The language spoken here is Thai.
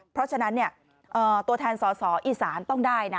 เพราะฉะนั้นตัวแทนสอสออีสานต้องได้นะ